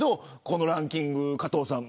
このランキング、加藤さん